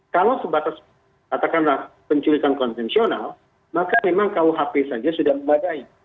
kalau sebatas katakanlah penculikan konvensional maka memang kuhp saja sudah memadai